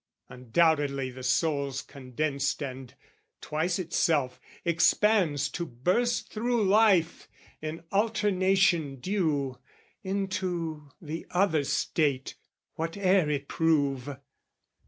Undoubtedly The soul's condensed and, twice itself, expands To burst thro' life, in alternation due, Into the other state whate'er it prove.